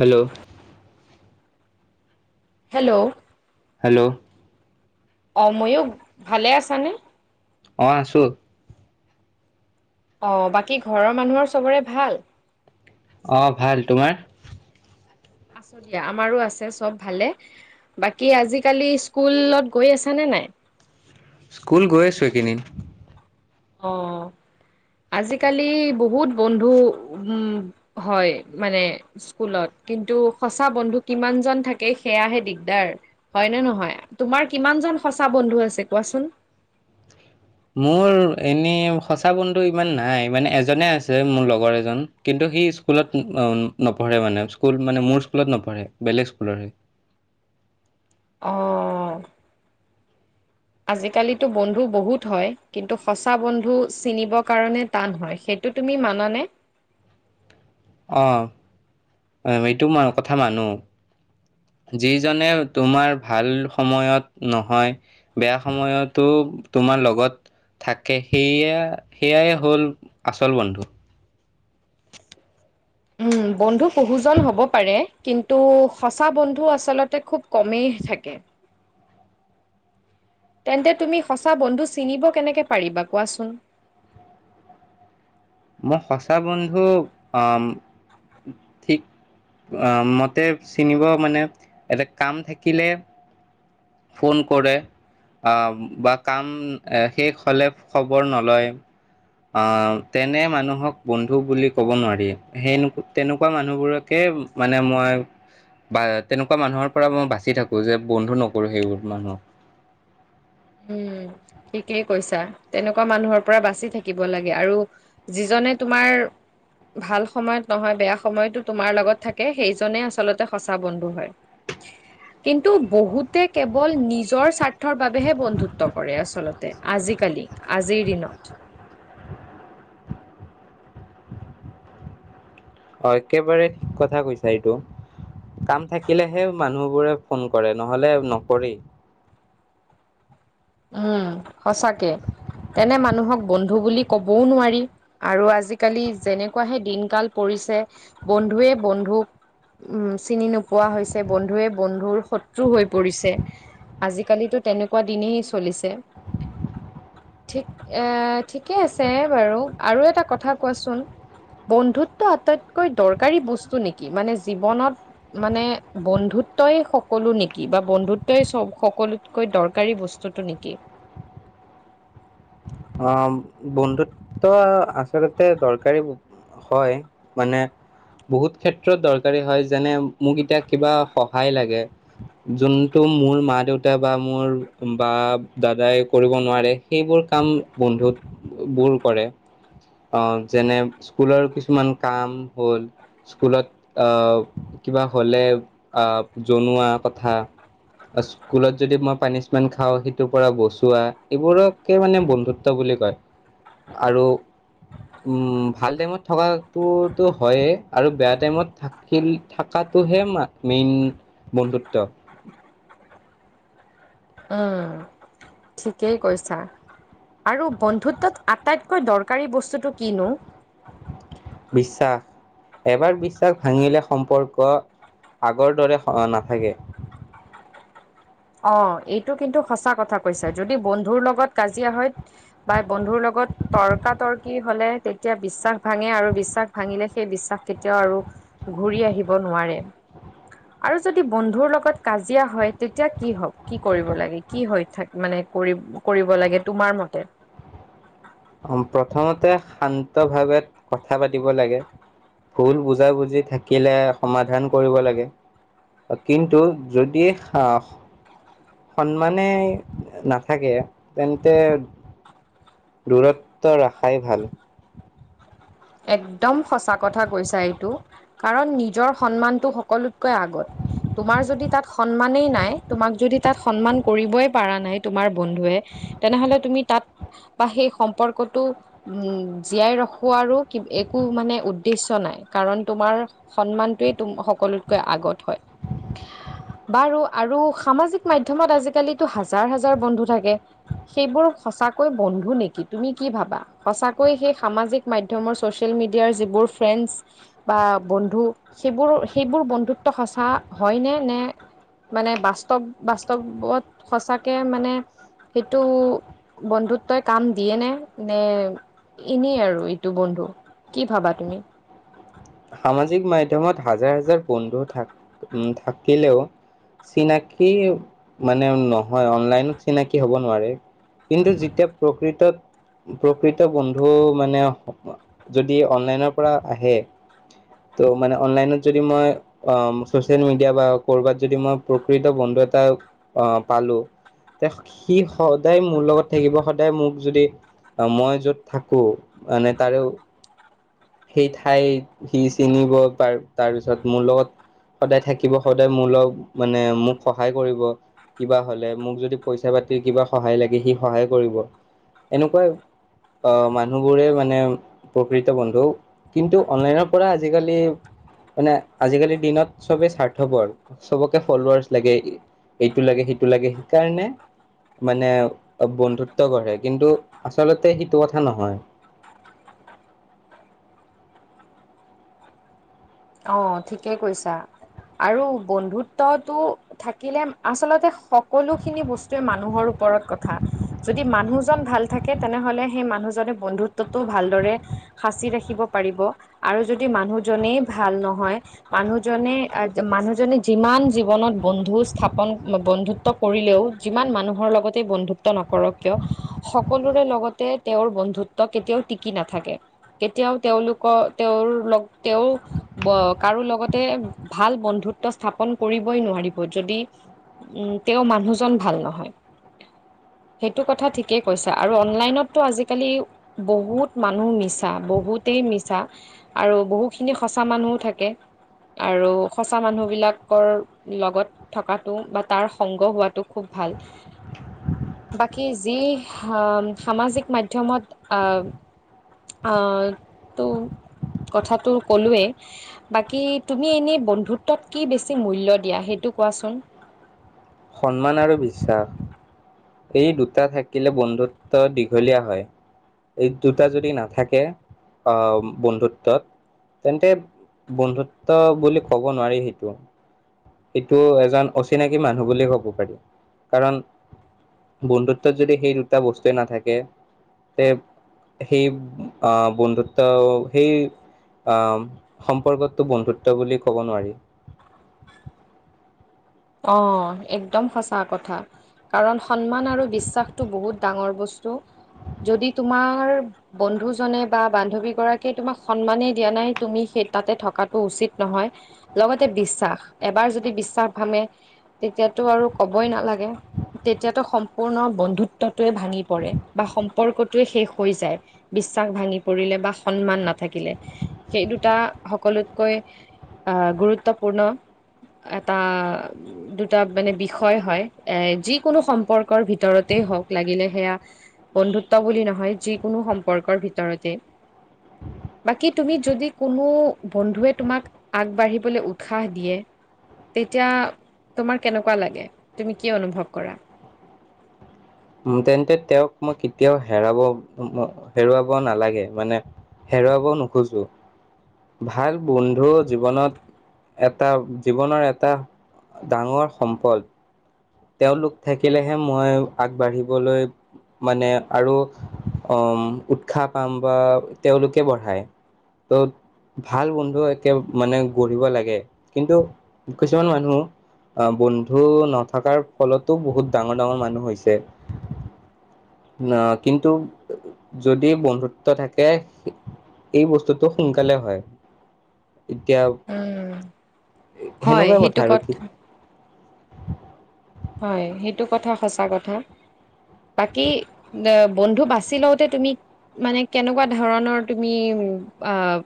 Hello. Hello. Hello. অ', ময়ো, ভালে আছানে? অ', আছোঁ। অ', বাকী, ঘৰৰ মানুহৰ চবৰে ভাল? অ', ভাল। তোমাৰ? আছোঁ দিয়া, আমাৰো আছে, চব ভালে বাকী, আজিকালি স্কুলত গৈ আছা নে নাই? স্কুল গৈ আছোঁ এইকেইদিন। অ'। আজিকালি বহুত বন্ধু, উম, হয় মানে স্কুলত, কিন্তু, সঁচা বন্ধু কিমানজন থাকে, সেয়াহে দিগদাৰ হয় নে নহয়? তোমাৰ কিমানজন সঁচা বন্ধু আছে কোৱাচোন? মোৰ এনেই, সঁচা বন্ধু ইমান নাই, মানে এজনে আছে, মোৰ লগৰ এজন কিন্তু সি স্কুলত, অ', নপঢ়ে মানে, স্কুল মানে, মোৰ স্কুলত নপঢ়ে, বেলেগ স্কুলৰ সি। অ'। [inaudible] আজিকালিতো বন্ধু বহুত হয়, কিন্তু সঁচা বন্ধু চিনিব কাৰণে টান হয়। সেইটো তুমি মানানে? অ', আমিটো, মই কথা মানো। যিজনে তোমাৰ ভাল সময়ত নহয়, বেয়া সময়তো তোমাৰ লগত থাকে, সেয়া, সেয়াই হ'ল আচল বন্ধু। উম, বন্ধু বহুজন হ'ব পাৰে কিন্তু, সঁচা বন্ধু আচলতে খুব কমেই থাকে। তেন্তে, তুমি সঁচা বন্ধু চিনিব কেনেকৈ পাৰিবা, কোৱাচোন? মই সঁচা বন্ধু, আম, ঠিক আ, মতে চিনিব মানে, এটা কাম থাকিলে ফোন কৰে আ, বা কাম শেষ হ'লে, খবৰ নলয়, আ তেনে মানুহক বন্ধু বুলি ক'ব নোৱাৰি। সেই, তেনেকুৱা মানুহবোৰকে মানে, মই বা, তেনেকুৱা মানুহৰ পৰা মই বাচি থাকোঁ, যে বন্ধু নকৰোঁ সেইবোৰ মানুহক। উম, ঠিকেই কৈছা। তেনেকুৱা মানুহৰ পৰা বাচি থাকিব লাগে, আৰু যিজনে তোমাৰ ভাল সময়ত নহয়, বেয়া সময়তো তোমাৰ লগত থাকে, সেইজনেই আচলতে সঁচা বন্ধু হয়। [inaudible] কিন্তু বহুতে কেৱল নিজৰ স্বাৰ্থৰ বাবেহে বন্ধু ন্ধুত্ব কৰে আচলতে, আজিকালি, আজিৰ দিনত অ' একেবাৰে ঠিক কথা কৈছা এইটো। কাম থাকিলেহে মানুহবোৰে ফোন কৰে নহলে নকৰে। উম' সঁচাকে তেনে মানুহক বন্ধু বুলি কবও নোৱাৰি। আৰু আজিকালি যেনেকুৱাহে দিনকাল পৰিছে বন্ধুৱে বন্ধুক উম' চিনি নোপোৱা হৈছে, বন্ধুৱে বন্ধুৰ শত্ৰু হৈ পৰিছে। আজিকালিতো তেনেকুৱা দিনেই চলিছে। ঠিক এ, ঠিকে আছে বাৰু আৰু এটা কথা কোৱাচোন? বন্ধুত্ব আটাইতকৈ দৰকাৰী বস্তু নেকি? মানে জীৱনত মানে বন্ধুত্বই সকলো নেকি বা বন্ধুত্বই চ সকলোতকৈ দৰকাৰী বস্তু চুটো নেকি? অ' বন্ধুত্ব আচলতে দৰকাৰী হয় মানে বহুত ক্ষেত্ৰত দৰকাৰী হয় যেনে মোক এতিয়া কিবা সহায় লাগে। যোনটো মোৰ মা দেউতা বা মোৰ বা দাদাই কৰিব নোৱাৰে সেইবোৰ কাম বন্ধুতবোৰ কৰে। অ' যেনে স্কুলৰ কিছুমান কাম হ'ল। স্কুলত আহ' কিবা হলে আহ' জনোৱা কথা। আ স্কুলত যদি মই পানিচমেণ্ট খাওঁ সেইটোৰ পৰা বচোৱা এইবোৰক কে মানে বন্ধুত্ব বুলি কয় আৰু উম' ভাল টাইমত থকাটোতো হয়েই আৰু বেয়া টাইমত থা শিল থাকাটোহে মা মেইন বন্ধুত্ব। উম' ঠিকেই কৈছা। আৰু বন্ধুত্বত আটাইতকৈ দৰকাৰী বস্তুটো কিনো? বিশ্বাস। এবাৰ বিশ্বাস ভাঙিলে সম্পৰ্ক আগৰ দৰে হ নাথাকে। অ' এইটো কিন্তু সঁচা কথা কৈছা যদি বন্ধুৰ লগত কাজিয়া হয় বা বন্ধুৰ লগত তৰ্কা তৰ্কি হলে তেতিয়া বিশ্বাস ভাঙে আৰু বিশ্বাস ভাঙিলে সেই বিশ্বাস কেতিয়াও আৰু ঘূৰি আহিব নোৱাৰে আৰু যদি বন্ধুৰ লগত কাজিয়া হয় তে এতিয়া কি হওক, কি কৰিব লাগে, কি হৈ থাক মানে কৰি কৰিব লাগে তোমাৰ মতে? অম প্ৰথমতে শান্ত ভাৱে কথা পাতিব লাগে। ভুল বুজা বুজি থাকিলে সমাধান কৰিব লাগে। অ কিন্তু যদি হাঁ সন্মানেই নাথাকে তেন্তে দূৰত্ব ৰখাই ভাল। একদম সঁচা কথা কৈছা এইটো কাৰণ নিজৰ সন্মানটো সকলোতকৈ আগত। তোমাৰ যদি তাত সন্মানেই নাই, তোমাক যদি তাত সন্মান কৰিবই পাৰা নাই তোমাৰ বন্ধুৱে তেনেহলে তুমি তাত বা সেই সম্পৰ্কটো উম জীয়াই ৰখোৱাৰো কিব একো মানে উদ্দেশ্য নাই কাৰণ তোমাৰ সন্মানটোৱেই তোম সকলোতকৈ আগত হয়। বাৰু আৰু সামাজিক মাধ্যমত আজিকালিতো হাজাৰ - হাজাৰ বন্ধু থাকে। সেইবোৰ সঁচাকৈ বন্ধু নেকি তুমি কি ভাবা? সঁচাকৈ সেই সামাজিক মাই ধ্যমৰ ছ'চিয়েল মিডিয়াৰ যিবোৰ ফ্ৰেণ্ডছ বা বন্ধু সেইবোৰ সেইবোৰ বন্ধুত্ব সঁচা হয় নে, নে মানে বাস্তৱ, বাস্তৱত সঁচাকে মানে সেইটো বন্ধুত্বই কাম দিয়ে নে, নে ইনেই আৰু এ টো বন্ধু কি ভাবা তুমি? সামাজিক মাধ্যমত হাজাৰ হাজাৰ বন্ধু থা থাকিলেও চিনাকি মানে নহয়, অনলাইনত চিনাকি হ'ব নোৱাৰে। কিন্তু যেতিয়া প্ৰকৃতত প্ৰকৃত বন্ধু মানে যদি অনলাইনৰ পৰা আহে ত' মানে অনলাইনত যদি মই আ ছচিয়েল মিডিয়া বা ক'বাত যদি মই প্ৰকৃত বন্ধু এটা অ, পালো তে সি সদায় মোৰ লগত থাকিব সদায় মোক যদি আ মই য'ত থাকোঁ মানে তাৰে সেই ঠাই সি চিনিব পাৰ তাৰপিছত মোৰ লগত সদায় থাকিব সদায় মোৰ লগ মানে মোক সহায় কৰিব। কিবা হ'লে মোক যদি পইচা পাতি কিবা সহায় লাগে সি সহায় কৰিব, এনেকুৱাই আ মানুহবোৰে মানে প্ৰকৃত বন্ধু। কিন্তু অনলাইনৰ পৰা আজিকালি মানে আজিকালিৰ দিনত চবেই স্বাৰ্থপৰ চবকে ফলোৱাছ লাগেই। এইটো লাগে সেইটো লাগে সেইকাৰণে মানে বন্ধুত্ব গঢ়ে, কিন্তু আচলতে সেইটো কথা নহয়। অঁ, ঠিকেই কৈছা আৰু বন্ধুত্বটো থাকিলে আচলতে সকলোখিনি বস্তুৱে মানুহৰ ওপৰত কথা যদি মানুহজন ভাল থাকে তেনেহলে সেই মানুহজনে বন্ধুত্বটো ভালদৰে সাঁচি ৰাখিব পাৰিব আৰু যদি মানুহজনেই ভাল নহয় মানুহজনে মানুহজনে যিমান জীৱনত বন্ধু স্থাপন বন্ধুত ট কৰিলেও যিমান মানুহৰ লগতে বন্ধুত্ব নকৰক কিয় সকলোৰে লগতে তেওঁৰ বন্ধুত্ব কেতিয়াও টিকি নাথাকে। কেতিয়াও তেওঁলোকৰ, তেওঁৰ লগ তেওঁ ব কাৰো লগতে ভাল বন্ধুত্ব স্থাপন কৰিবই নোৱাৰিব যদি উম, তেওঁ মানুহজন ভাল নহয়। সেইটো কথা ঠিকেই কৈছা আৰু অনলাইনততো আজিকালি বহুত মানুহ মিছা, বহুতেই মিছা আৰু বহুখিনি সঁচা সঁচা মানুহো থাকে আৰু সঁচা মানুহবিলাকৰ লগত থকাতটো বা তাৰ সংগ হোৱাটো খুব ভাল। বাকী যি আ সামাজিক মাধ্যমত আ আ, টো কথাটো ক'লোৱে বাকী তুমি এনে বন্ধুত্বত কি বেছি মূল্য দিয়া, সেইটো কোৱাচোন। সন্মান আৰু বিশ্বাস। এই দুটা থাকিলে বন্ধুত্ব দীঘলীয়া হয়। এই দুটা যদি নাথাকে আ, বন্ধুত্বত তেন্তে বন্ধুত্ব বুলি ক'ব নোৱাৰি সেইটো এইটো এজন অচিনাকি মানুহ বুলি ক'ব পাৰি কাৰণ বন্ধুত্বত যদি সেই দুটা বস্তুৱে নাথাকে তে সেই আ বন্ধুত্ব সেই অ সম্পৰ্কতটো বন্ধুত্ব বুলি ক'ব নোৱাৰি। অ একদম সঁচা কথা। কাৰণ সন্মান আৰু বিশ্বাসটো বহুত ডাঙৰ বস্তু যদি তোমাৰ বন্ধুজনে বা বান্ধৱী গৰাকীয়ে তোমাক সন্মানেই দিয়া নাই তুমি সেই তাতে থকাটো উচিত নহয়। লগতে বিশ্বাস, এবাৰ যদি বিশ্বাস ভাঙে তেতিয়াতো আৰু ক'বই নালাগে। তেতিয়াতো সম্পূৰ্ণ বন্ধুত্বটোৱে ভাঙি পৰে বা সম্পৰ্কটোৱে শেষ হৈ যায়। বিশ্বাস ভাঙি পৰিলে বা সন্মান নাথাকিলে, সেই দুটা সকলোতকৈ আহ' গুৰুত্বপূৰ্ণ এটা দুটা মানে বিষয় হয়, এ যিকোনো সম্পৰ্কৰ ভিতৰতেই হওক লাগিলে সেয়া বন্ধুত্ব বুলি নহয়, যিকোনো সম্পৰ্কৰ ভিতৰতেই। বাকী তুমি যদি কোনো বন্ধুৱে তোমাক আগবাঢ়িবলৈ উৎসাহ দিয়ে, তেতিয়া তোমাৰ কেনেকুৱা লাগে। তুমি কি অনুভৱ কৰা। তেন্তে তেওঁক মই কেতিয়াও হেৰাব, হেৰুৱাব নালাগে মানে হেৰুৱাব নোখোজোঁ। ভাল বন্ধু জীৱনত এটা, জীৱনৰ এটা ডাঙৰ সম্পদ। তেওঁলোক থাকিলেহে মই আগবাঢ়িবলৈ মানে আৰু উম, উৎসাহ পাম বা তেওঁলোকে বঢ়ায়। ত' ভাল বন্ধু একে মানে, গঢ়িব লাগে। কিন্তু কিছুমান মানুহ আহ বন্ধু নথকাৰ ফলতো বহুত ডাঙৰ ডাঙৰ মানুহ হৈছে। ন, কিন্তু যদি বন্ধুত্ব থাকে এই বস্তুটো সোনকালে হয়। এতিয়া হয় সেনেকুৱাই কথা সেইটো ক আৰু কি। হয়, সেইটো কথা সঁচা কথা। বাকী এ, বন্ধু বাচি লওঁতে তুমি মানে কেনেকুৱা ধৰণৰ তুমি, আহ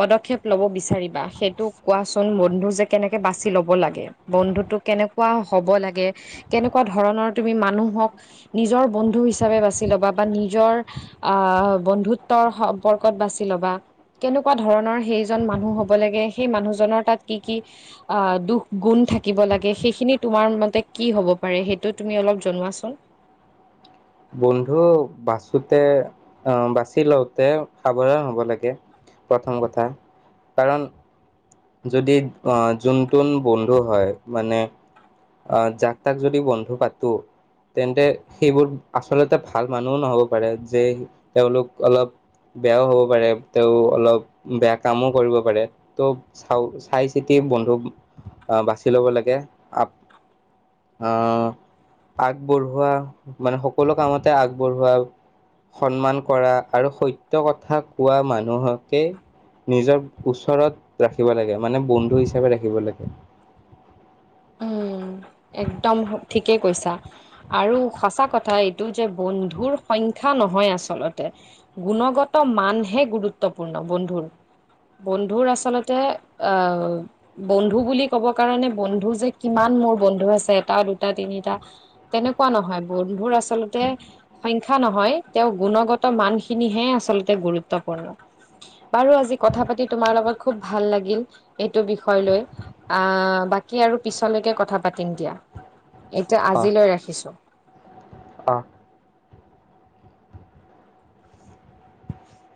পদক্ষেপ ল'ব বিচাৰিবা। সেইটো কোৱাচোন বন্ধু যে কেনেকে বাচি ল'ব লাগে। বন্ধুতো কেনেকুৱা হ'ব লাগে, কেনেকুৱা ধৰণৰ তুমি মানুহক নিজৰ বন্ধু হিচাপে বাচি ল'বা বা নিজৰ আহ বন্ধুত্বৰ সম্পৰ্কত বাছি ল'বা। কেনেকুৱা ধৰণৰ সেইজন মানুহ হ'ব লাগে, সেই মানুহজনৰ তাত কি কি আহ, দুখ গুণ থাকিব লাগে, সেইখিনিত তোমাৰ মতে কি হ'ব পাৰে, সেইটো তুমি অলপ জনোৱাচোন। বন্ধু বাচোতে আহ, বাচি লওঁতে সাৱধান হ'ব লাগে প্ৰথম কথা, কাৰণ যদি আহ, যোনটোন বন্ধু হয়। মানে আ, যাক তাক যদি বন্ধু পাতো তেন্তে সেইবোৰ আচলতে ভাল মানুহও নহ'ব পাৰে যে, তেওঁলোক অলপ বেয়াও হ'ব পাৰে, তেওঁ অলপ বেয়া কামো কৰিব পাৰে, ত' চাওঁ, চাই-চিতি বন্ধু আহ, বাচি ল'ব লাগে। আ আহ, আগবঢ়োৱা মানে সকলো কামতে আগবঢ়োৱা সন্মান কৰা আৰু সত্য কথা কোৱা মানুহকে নিজৰ ওচৰত ৰাখিব লাগে, মানে বন্ধু হিচাপে ৰাখিব লাগে। উম একদম ঠিকেই কৈছা। আৰু সঁচা কথা এইটো যে, বন্ধুৰ সংখ্যা নহয় আচলতে গুণগত মানহে গুৰুত্বপূৰ্ণ বন্ধুৰ। বন্ধুৰ আচলতে। বন্ধু বুলি ক'ব কাৰণে বন্ধু যে কিমান মোৰ বন্ধু আছে এটা, দুটা, তিনিটা। তেনেকুৱা নহয় বন্ধুৰ আচলতে। সংখ্যা নহয়, তেওঁ গুণগত মানখিনিহে আচলতে গুৰুত্বপূৰ্ণ। বাৰু আজি কথা পাতি তোমাৰ লগত খুব ভাল লাগিল এইটো বিষয় লৈ। আ, বাকী আৰু পিছলৈকে কথা পাতিম দিয়া, এতিয়া আজিলৈ ৰাখিছো। অঁ।